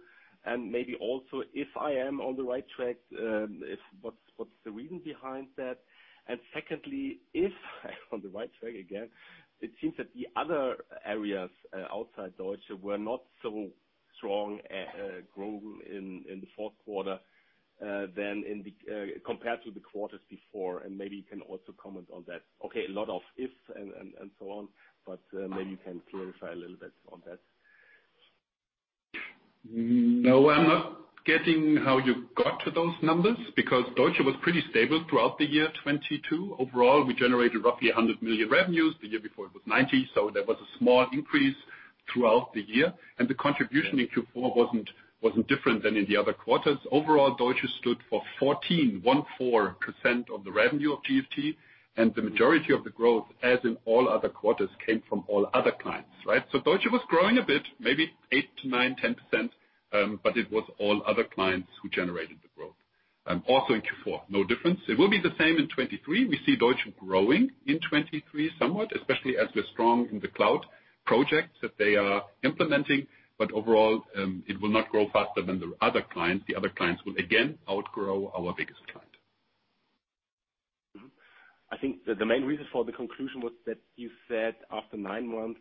and maybe also if I am on the right track, what's the reason behind that? secondly, if I'm on the right track again, it seems that the other areas outside Deutsche were not so strong grow in the fourth quarter than in the compared to the quarters before and maybe you can also comment on that. A lot of ifs and so on, but maybe you can clarify a little bit on that. I'm not getting how you got to those numbers because Deutsche was pretty stable throughout the year 2022. Overall, we generated roughly 100 million revenues. The year before it was 90, there was a small increase throughout the year, and the contribution in Q4 wasn't different than in the other quarters. Overall, Deutsche stood for 14% of the revenue of GFT, the majority of the growth, as in all other quarters, came from all other clients, right? Deutsche was growing a bit, maybe 8%-9%, 10%, it was all other clients who generated the growth. Also in Q4, no difference. It will be the same in 2023. We see Deutsche growing in 2023 somewhat, especially as we're strong in the cloud projects that they are implementing. Overall, it will not grow faster than the other clients. The other clients will again outgrow our biggest client. I think the main reason for the conclusion was that you said after nine months,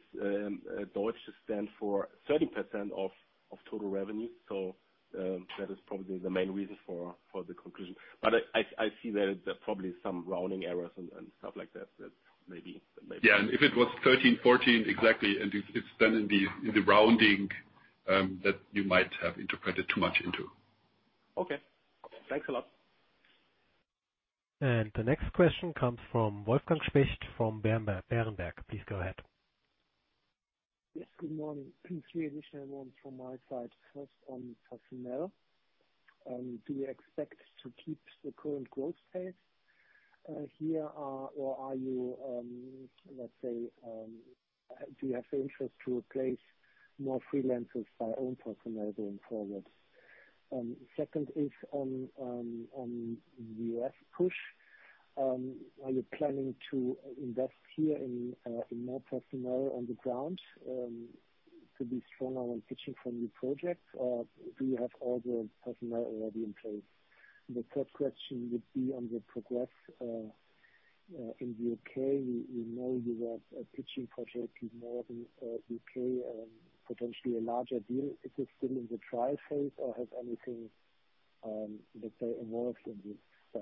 Deutsche stands for 30% of total revenue. That is probably the main reason for the conclusion. I see there are probably some rounding errors and stuff like that. Yeah, if it was 13, 14, exactly, and it's done in the, in the rounding, that you might have interpreted too much into. Okay. Thanks a lot. The next question comes from Wolfgang Specht from Berenberg. Please go ahead. Yes. Good morning. Three additional ones from my side. First on personnel. Do you expect to keep the current growth pace here or are you, let's say, do you have the interest to replace more freelancers by own personnel going forward? Second is on the U.S. push. Are you planning to invest here in more personnel on the ground to be stronger on pitching for new projects, or do you have all the personnel already in place? The third question would be on the progress in the U.K. We know you have a pitching project in northern U.K., potentially a larger deal. Is it still in the trial phase or has anything, let's say, emerged in this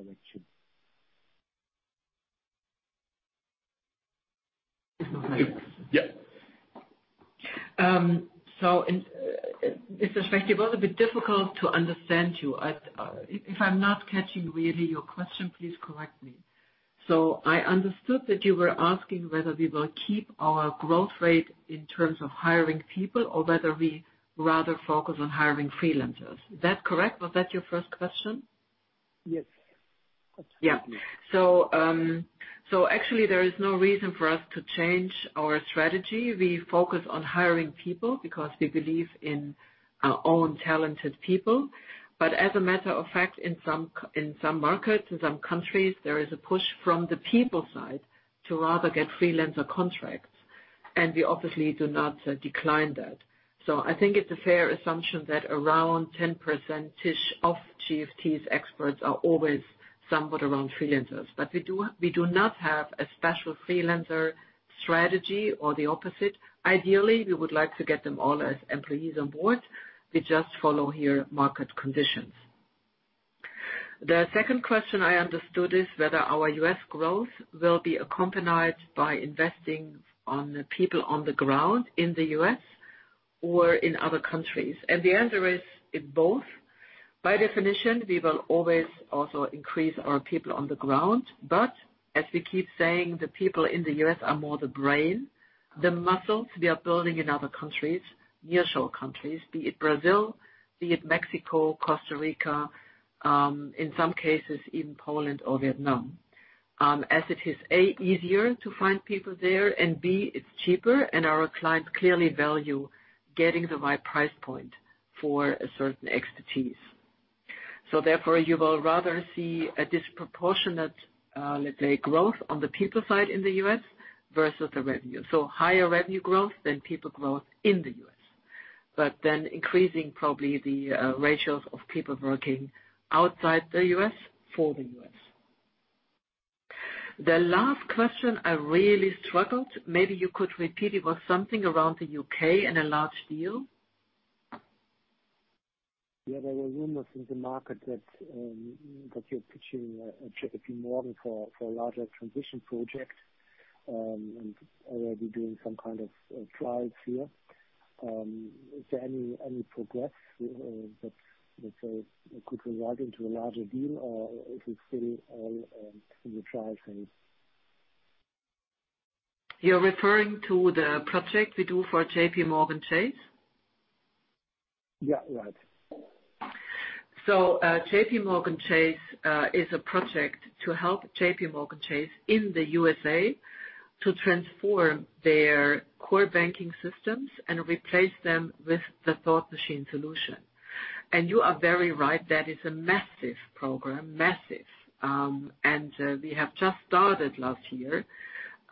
direction? Yeah. Mr. Specht, it was a bit difficult to understand you. If I'm not catching really your question, please correct me. I understood that you were asking whether we will keep our growth rate in terms of hiring people or whether we rather focus on hiring freelancers. Is that correct? Was that your first question? Yes. Actually there is no reason for us to change our strategy. We focus on hiring people because we believe in our own talented people. But as a matter of fact, in some markets, in some countries, there is a push from the people side to rather get freelancer contracts, and we obviously do not decline that. I think it's a fair assumption that around 10%-ish of GFT's experts are always somewhat around freelancers. We do not have a special freelancer strategy or the opposite. Ideally, we would like to get them all as employees on board. We just follow here market conditions. The second question I understood is whether our U.S. growth will be accompanied by investing on the people on the ground in the U.S. or in other countries. The answer is in both. By definition, we will always also increase our people on the ground, but as we keep saying, the people in the U.S. are more the brain, the muscles we are building in other countries, nearshore countries, be it Brazil, be it Mexico, Costa Rica, in some cases, even Poland or Vietnam. As it is A, easier to find people there, and B, it's cheaper and our clients clearly value getting the right price point for a certain expertise. Therefore, you will rather see a disproportionate, let's say, growth on the people side in the U.S. versus the revenue. Higher revenue growth than people growth in the U.S. Increasing probably the ratios of people working outside the U.S. for the U.S. The last question I really struggled. Maybe you could repeat. It was something around the U.K. and a large deal. There were rumors in the market that you're pitching JPMorgan for a larger transition project, and already doing some kind of trials here. Is there any progress that could result into a larger deal, or is it still all in the trial phase? You're referring to the project we do for JPMorgan Chase? Yeah, right. JPMorgan Chase is a project to help JPMorgan Chase in the USA to transform their core banking systems and replace them with the Thought Machine solution. You are very right, that is a massive program. Massive. We have just started last year.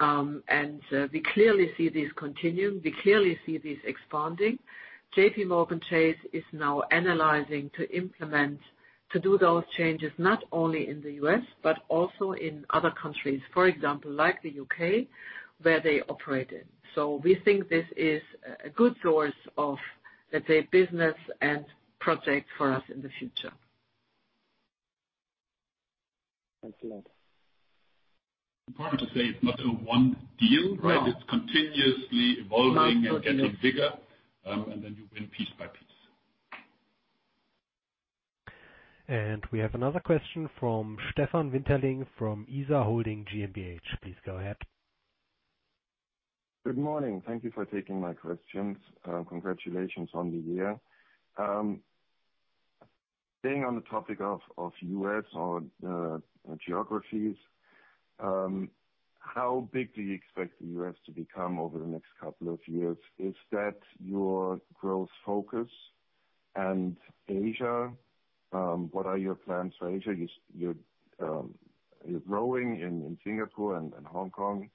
We clearly see this continuing. We clearly see this expanding. JPMorgan Chase is now analyzing to implement to do those changes not only in the U.S., but also in other countries, for example, like the U.K., where they operate in. We think this is a good source of, let's say, business and project for us in the future. Thanks a lot. Important to say it's not a one deal, right? No. It's continuously evolving and getting bigger, and then you win piece by piece. We have another question from Stefan Winterling from Isar Holding GmbH. Please go ahead. Good morning. Thank you for taking my questions. Congratulations on the year. Staying on the topic of U.S. or geographies, how big do you expect the U.S. to become over the next couple of years? Is that your growth focus? Asia, what are your plans for Asia? You're growing in Singapore and Hong Kong.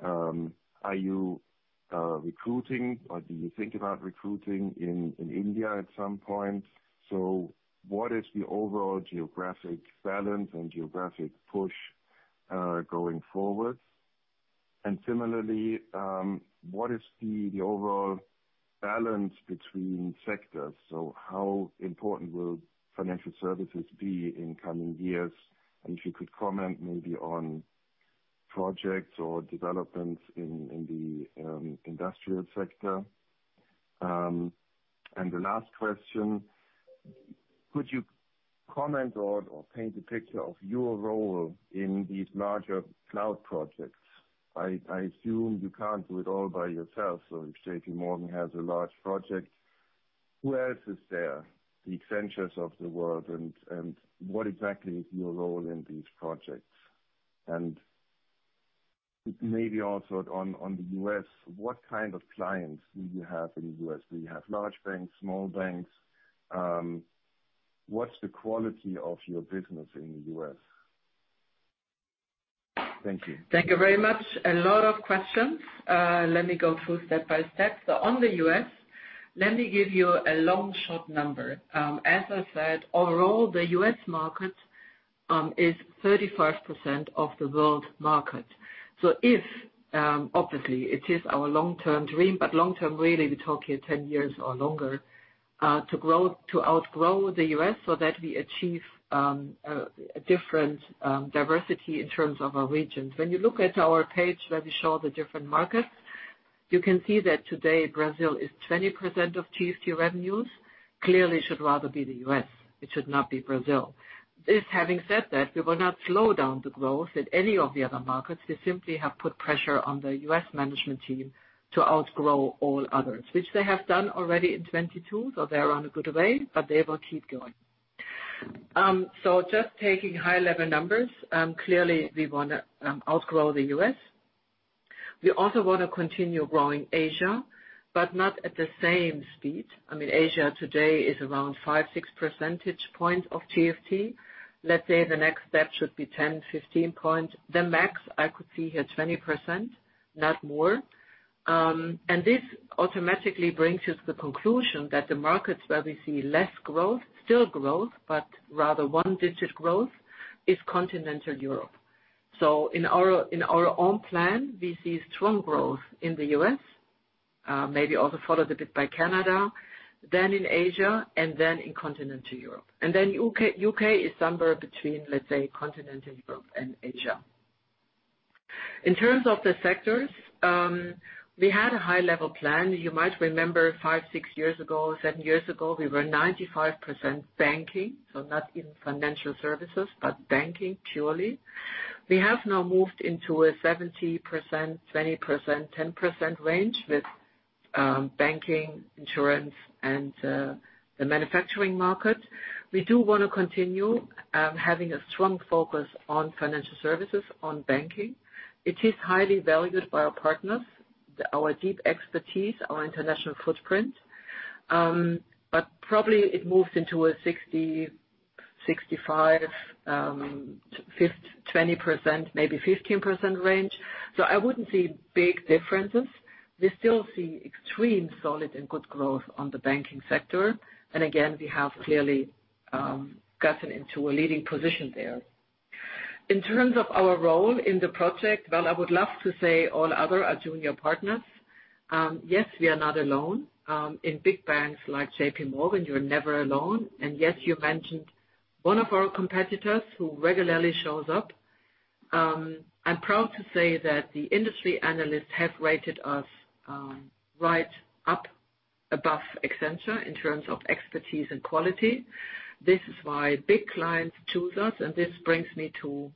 Are you recruiting or do you think about recruiting in India at some point? What is the overall geographic balance and geographic push going forward? Similarly, what is the overall balance between sectors? How important will financial services be in coming years? If you could comment maybe on projects or developments in the industrial sector. The last question, could you comment or paint a picture of your role in these larger cloud projects? I assume you can't do it all by yourself. If JPMorgan has a large project, who else is there? The Accentures of the world and what exactly is your role in these projects? Maybe also on the U.S., what kind of clients do you have in the U.S.? Do you have large banks, small banks? What's the quality of your business in the U.S.? Thank you. Thank you very much. A lot of questions. Let me go through step by step. On the U.S., let me give you a long/short number. As I said, overall, the U.S. market is 35% of the world market. If, obviously it is our long-term dream, but long-term really we talk here 10 years or longer, to outgrow the U.S. so that we achieve a different diversity in terms of our regions. When you look at our page where we show the different markets, you can see that today Brazil is 20% of GFT revenues. Clearly should rather be the U.S. It should not be Brazil. This having said that, we will not slow down the growth at any of the other markets. We simply have put pressure on the U.S. management team to outgrow all others, which they have done already in 2022, so they're on a good way, but they will keep going. Just taking high-level numbers, clearly we wanna outgrow the U.S. We also wanna continue growing Asia, but not at the same speed. I mean, Asia today is around 5, 6 percentage points of GFT. Let's say the next step should be 10, 15 points. The max I could see here, 20%, not more. This automatically brings us the conclusion that the markets where we see less growth, still growth, but rather one-digit growth, is continental Europe. In our own plan, we see strong growth in the U.S., maybe also followed a bit by Canada, then in Asia, and then in continental Europe. U.K. is somewhere between, let's say, continental Europe and Asia. In terms of the sectors, we had a high-level plan. You might remember five, six years ago, seven years ago, we were 95% banking, so not in financial services, but banking purely. We have now moved into a 70%, 20%, 10% range with banking, insurance, and the manufacturing market. We do wanna continue having a strong focus on financial services, on banking. It is highly valued by our partners, our deep expertise, our international footprint, probably it moves into a 60%, 65%, maybe 15% range. I wouldn't see big differences. We still see extreme solid and good growth on the banking sector. Again, we have clearly gotten into a leading position there. In terms of our role in the project, well, I would love to say all other are junior partners. Yes, we are not alone. In big banks like JPMorgan, you're never alone. Yes, you mentioned one of our competitors who regularly shows up. I'm proud to say that the industry analysts have rated us right up above Accenture in terms of expertise and quality. This is why big clients choose us, and this brings me to.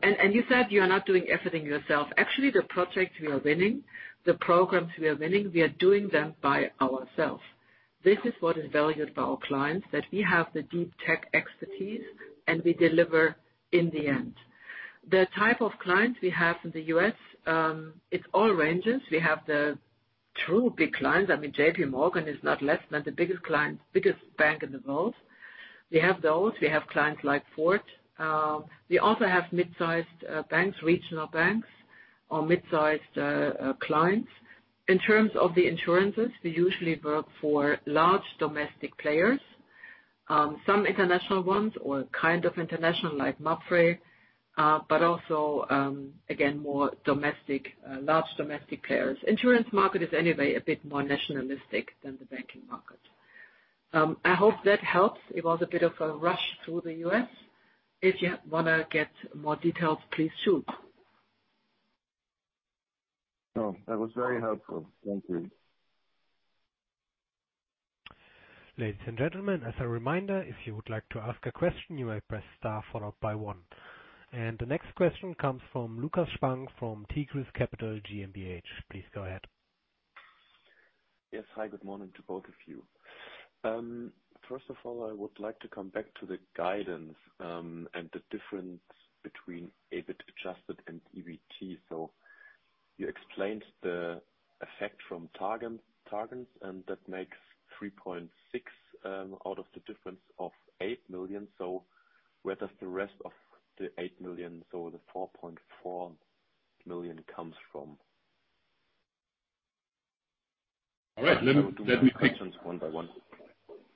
You said you are not doing everything yourself. Actually, the projects we are winning, the programs we are winning, we are doing them by ourselves. This is what is valued by our clients, that we have the deep tech expertise, and we deliver in the end. The type of clients we have in the U.S., it all ranges. We have the true big clients. I mean, JPMorgan is not less than the biggest client, biggest bank in the world. We have those. We have clients like Ford. we also have mid-sized banks, regional banks, or mid-sized clients. In terms of the insurances, we usually work for large domestic players, some international ones or kind of international like MAPFRE, but also, again, more domestic, large domestic players. Insurance market is anyway a bit more nationalistic than the banking market. I hope that helps. It was a bit of a rush through the U.S. If you wanna get more details, please shoot. No, that was very helpful. Thank you. Ladies and gentlemen, as a reminder, if you would like to ask a question, you may press star followed by one. The next question comes from Lukas Spang from Tigris Capital GmbH. Please go ahead. Hi, good morning to both of you. First of all, I would like to come back to the guidance, and the difference between EBIT adjusted and EBT. You explained the effect from Targens, and that makes 3.6 million out of the difference of 8 million. Where does the rest of the 8 million, the 4.4 million comes from? All right. Let me pick items and questions one by one.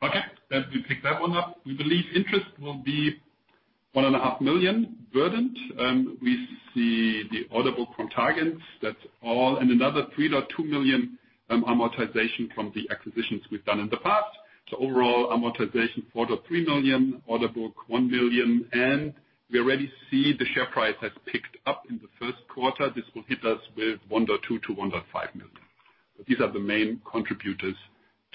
Okay. Let me pick that one up. We believe interest will be 1.5 Million burdened. We see the order book from Targens. That's all. another 3.2 million amortization from the acquisitions we've done in the past. overall amortization, 4.3 million, order book, 1 million. we already see the share price has picked up in the first quarter. This will hit us with 1.2 million-1.5 million. These are the main contributors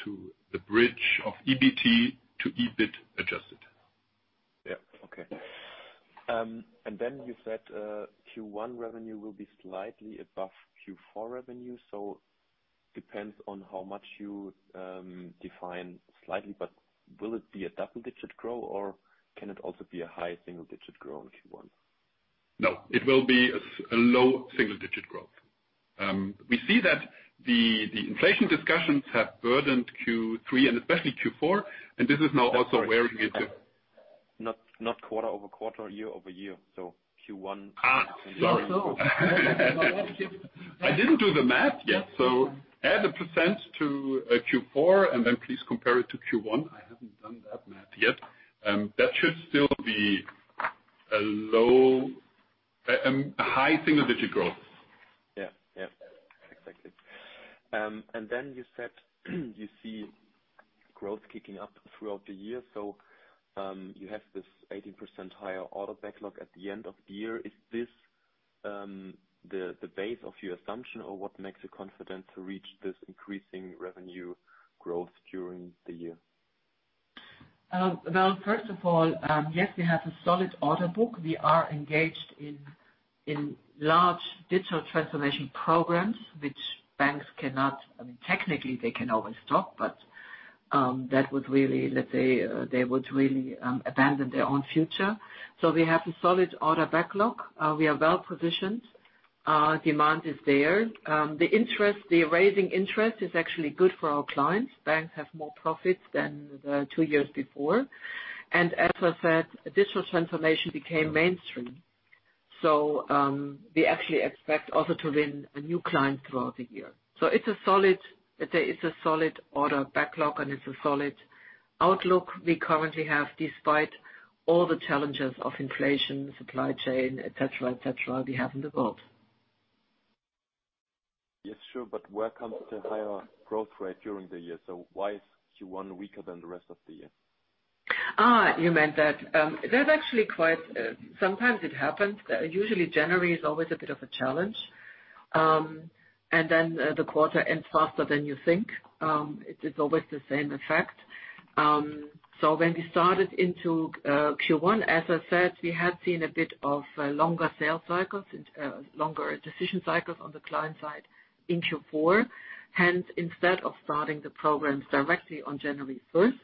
to the bridge of EBT to EBIT adjusted. Yeah. Okay. You said Q1 revenue will be slightly above Q4 revenue, so depends on how much you define slightly. Will it be a double-digit grow or can it also be a high single digit grow in Q1? No, it will be a low single digit growth. We see that the inflation discussions have burdened Q3 and especially Q4. This is now also where we get to- Not quarter-over-quarter, year-over-year. Q1- Sorry. I didn't do the math yet. Add the percent to Q4, and then please compare it to Q1. I haven't done that math yet. That should still be a high single-digit growth. Yeah. Yeah. Exactly. You said you see growth kicking up throughout the year. You have this 80% higher order backlog at the end of the year. Is this, the base of your assumption or what makes you confident to reach this increasing revenue growth during the year? Well, first of all, yes, we have a solid order book. We are engaged in large digital transformation programs which banks cannot. I mean, technically they can always stop, but that would really, let's say, they would really abandon their own future. We have a solid order backlog. We are well-positioned. Demand is there. The raising interest is actually good for our clients. Banks have more profits than the two years before. As I said, digital transformation became mainstream. We actually expect also to win a new client throughout the year. It's a solid, let's say it's a solid order backlog and it's a solid outlook we currently have despite all the challenges of inflation, supply chain, et cetera, et cetera we have in the world. Yes, sure. Where comes the higher growth rate during the year? Why is Q1 weaker than the rest of the year? You meant that. That's actually quite. Sometimes it happens. Usually, January is always a bit of a challenge, and then the quarter ends faster than you think. It is always the same effect. When we started into Q1, as I said, we had seen a bit of longer sales cycles, longer decision cycles on the client side in Q4. Hence, instead of starting the programs directly on January 1st,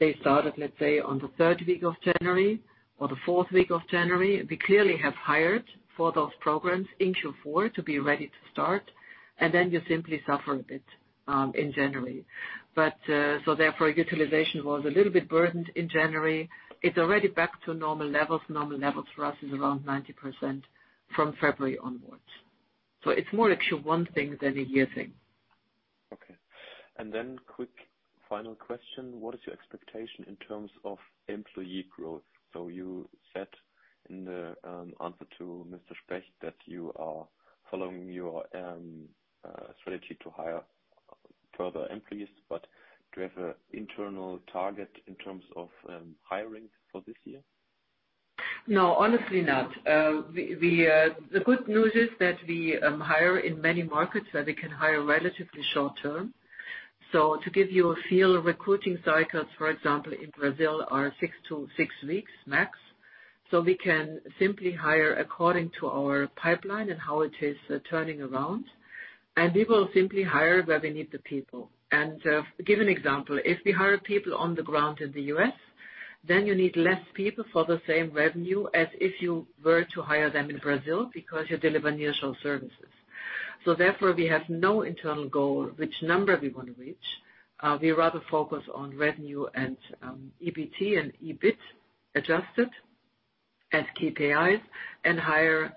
they started, let's say, on the third week of January or the fourth week of January. We clearly have hired for those programs in Q4 to be ready to start, and then you simply suffer a bit in January. Therefore, utilization was a little bit burdened in January. It's already back to normal levels. Normal levels for us is around 90% from February onwards. It's more a Q1 thing than a year thing. Okay. Quick final question. What is your expectation in terms of employee growth? You said in the answer to Mr. Specht that you are following your strategy to hire further employees. Do you have an internal target in terms of hiring for this year? No, honestly not. The good news is that we hire in many markets where we can hire relatively short term. To give you a feel, recruiting cycles, for example, in Brazil are six to six weeks max. We can simply hire according to our pipeline and how it is turning around, and we will simply hire where we need the people. To give an example, if we hire people on the ground in the U.S., then you need less people for the same revenue as if you were to hire them in Brazil because you deliver nearshore services. Therefore, we have no internal goal which number we want to reach. We rather focus on revenue and EBT and EBIT adjusted as KPIs and hire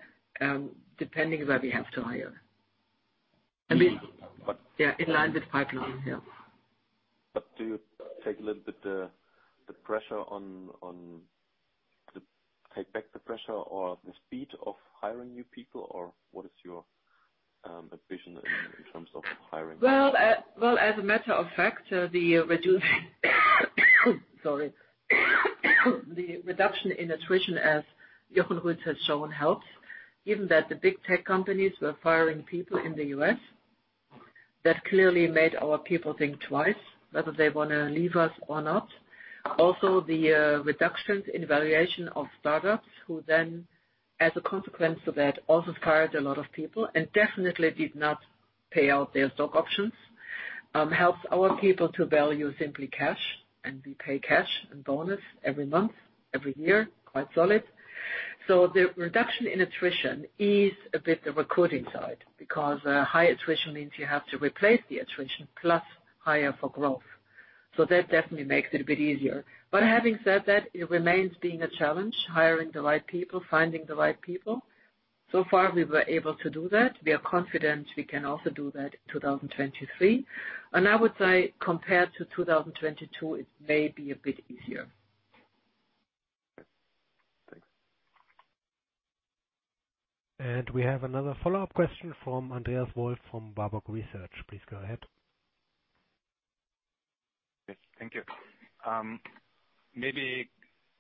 depending where we have to hire. But- Yeah, in line with pipeline. Yeah. Do you take a little bit the pressure on take back the pressure or the speed of hiring new people? What is your vision in terms of hiring? Well, as a matter of fact, the reduction in attrition, as Jochen Ruetz has shown, helps. Given that the big tech companies were firing people in the U.S., that clearly made our people think twice whether they wanna leave us or not. Also the reductions in valuation of startups, who then, as a consequence of that, also fired a lot of people and definitely did not pay out their stock options, helps our people to value simply cash, and we pay cash and bonus every month, every year, quite solid. The reduction in attrition is a bit the recruiting side, because high attrition means you have to replace the attrition plus hire for growth. That definitely makes it a bit easier. Having said that, it remains being a challenge, hiring the right people, finding the right people. So far, we were able to do that. We are confident we can also do that in 2023. I would say compared to 2022, it may be a bit easier. Thanks. We have another follow-up question from Andreas Wolf from Warburg Research. Please go ahead. Yes. Thank you. Maybe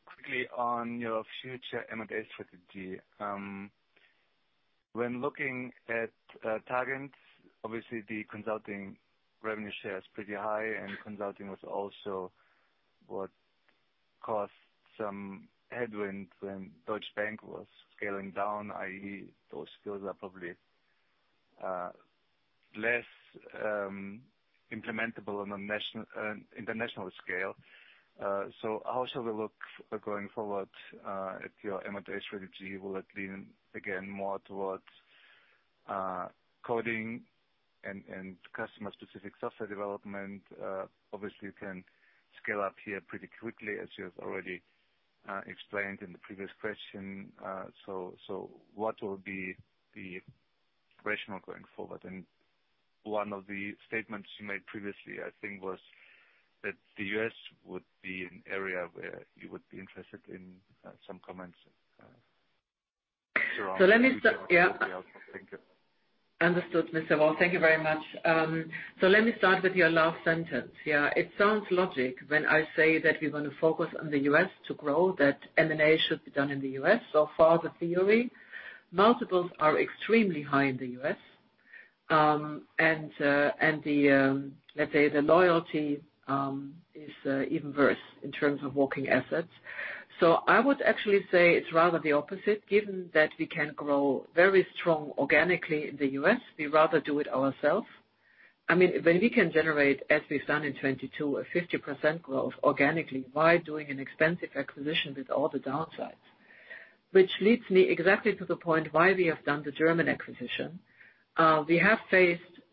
quickly on your future M&A strategy. When looking at targets, obviously the consulting revenue share is pretty high and consulting was also what caused some headwinds when Deutsche Bank was scaling down, i.e. those skills are probably less implementable on an international scale. How shall we look going forward at your M&A strategy? Will it lean again more towards coding and customer specific software development? Obviously you can scale up here pretty quickly, as you have already explained in the previous question. What will be the rational going forward? One of the statements you made previously, I think, was that the U.S. would be an area where you would be interested in some comments around- Let me start. Yeah. Thank you. Understood, Mr. Wolf. Thank you very much. Let me start with your last sentence. Yeah. It sounds logic when I say that we're gonna focus on the U.S. to grow that M&A should be done in the U.S. Far the theory, multiples are extremely high in the U.S. And the, let's say the loyalty, is even worse in terms of walking assets. I would actually say it's rather the opposite. Given that we can grow very strong organically in the U.S., we rather do it ourselves. I mean, when we can generate, as we've done in 2022, a 50% growth organically, why doing an expensive acquisition with all the downsides? Which leads me exactly to the point why we have done the German acquisition. We have faced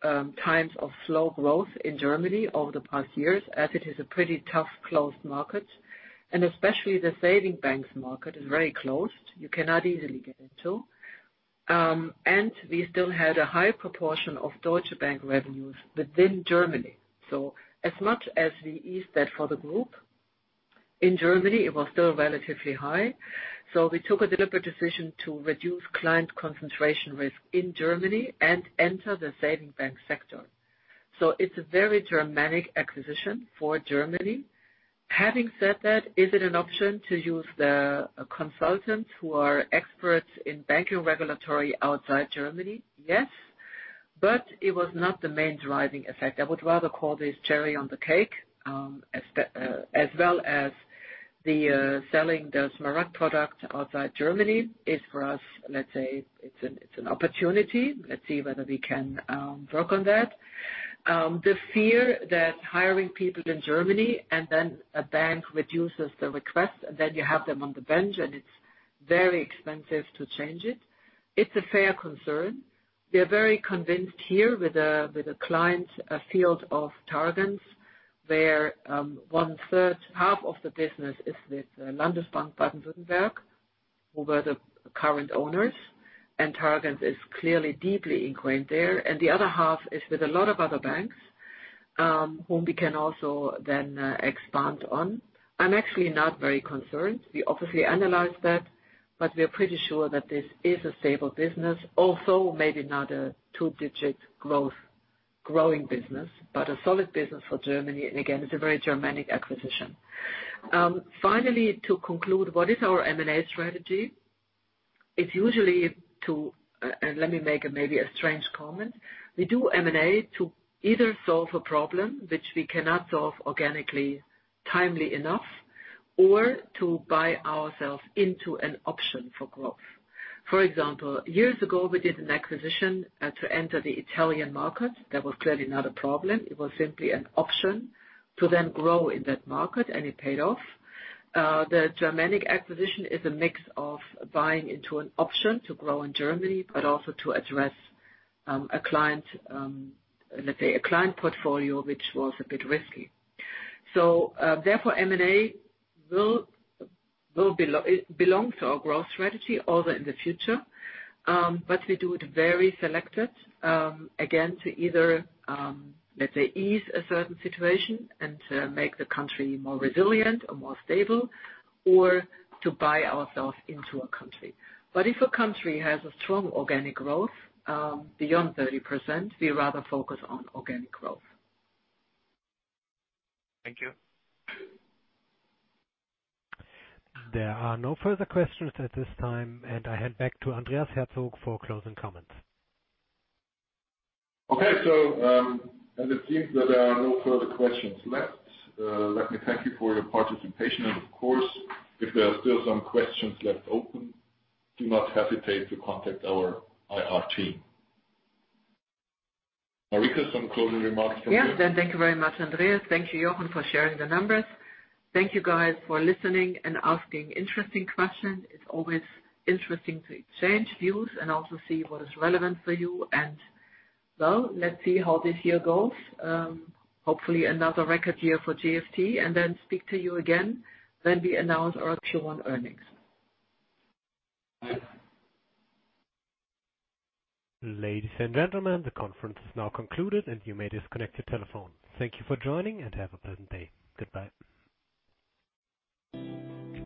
times of slow growth in Germany over the past years, as it is a pretty tough closed market, and especially the savings banks market is very closed. You cannot easily get into. We still had a high proportion of Deutsche Bank revenues within Germany. As much as we eased that for the group, in Germany, it was still relatively high. We took a deliberate decision to reduce client concentration risk in Germany and enter the savings bank sector. It's a very Germanic acquisition for Germany. Having said that, is it an option to use the consultants who are experts in banking regulatory outside Germany? Yes. It was not the main driving effect. I would rather call this cherry on the cake, as well as the selling the Smaragd product outside Germany is for us, let's say, it's an opportunity. Let's see whether we can work on that. The fear that hiring people in Germany and then a bank reduces the request and then you have them on the bench and it's very expensive to change it's a fair concern. We are very convinced here with a client field of Targens, where 1/3, half of the business is with Landesbank Baden-Württemberg, who were the current owners, and Targens is clearly deeply ingrained there. The other half is with a lot of other banks, whom we can also then expand on. I'm actually not very concerned. We obviously analyze that, but we are pretty sure that this is a stable business, although maybe not a 2-digit growing business, but a solid business for Germany. Again, it's a very Germanic acquisition. Finally, to conclude, what is our M&A strategy? Let me make maybe a strange comment. We do M&A to either solve a problem which we cannot solve organically timely enough, or to buy ourselves into an option for growth. For example, years ago, we did an acquisition to enter the Italian market. That was clearly not a problem. It was simply an option to then grow in that market, and it paid off. The Germanic acquisition is a mix of buying into an option to grow in Germany, but also to address a client, let's say a client portfolio, which was a bit risky. Therefore, M&A it belongs to our growth strategy, also in the future. We do it very selected, again, to either, let's say, ease a certain situation and to make the country more resilient or more stable or to buy ourselves into a country. If a country has a strong organic growth, beyond 30%, we rather focus on organic growth. Thank you. There are no further questions at this time, and I hand back to Andreas Herzog for closing comments. As it seems that there are no further questions left, let me thank you for your participation. Of course, if there are still some questions left open, do not hesitate to contact our IR team. Marika, some closing remarks from you? Yeah. Thank you very much, Andreas. Thank you, Jochen, for sharing the numbers. Thank you, guys, for listening and asking interesting questions. It's always interesting to exchange views and also see what is relevant for you. Well, let's see how this year goes. Hopefully another record year for GFT, speak to you again when we announce our Q1 earnings. Ladies and gentlemen, the conference is now concluded and you may disconnect your telephone. Thank you for joining and have a pleasant day. Goodbye.